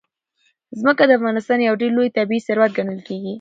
ځمکه د افغانستان یو ډېر لوی طبعي ثروت ګڼل کېږي.